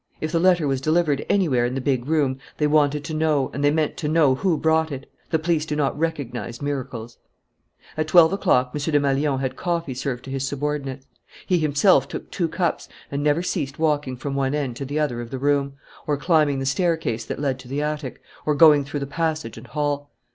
If the letter was delivered anywhere in the big room, they wanted to know and they meant to know who brought it. The police do not recognize miracles. At twelve o'clock M. Desmalions had coffee served to his subordinates. He himself took two cups and never ceased walking from one end to the other of the room, or climbing the staircase that led to the attic, or going through the passage and hall.